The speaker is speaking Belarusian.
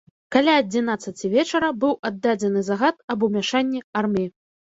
Каля адзінаццаці вечара быў аддадзены загад аб умяшанні арміі.